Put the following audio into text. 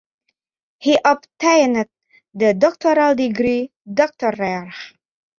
He obtained the doctoral degree Doctor rer.